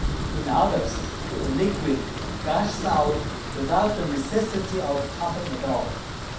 In others the liquid gushes out without the necessity of pumping at all.